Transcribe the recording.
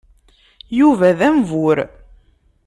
Yuba d ambur.